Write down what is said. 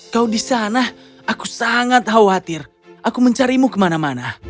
kau di sana aku sangat khawatir aku mencarimu kemana mana